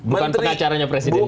bukan pengacaranya presiden juga